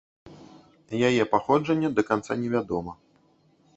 Яе паходжанне да канца не вядома.